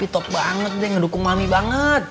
di top banget deh ngedukung mami banget